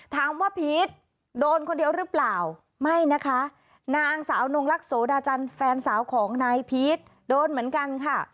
พีชโดนคนเดียวหรือเปล่าไม่นะคะนางสาวนงลักษาจันทร์แฟนสาวของนายพีชโดนเหมือนกันค่ะ